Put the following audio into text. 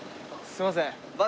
すみません。